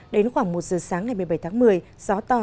đến khoảng một giờ sáng ngày một mươi bảy tháng một mươi gió to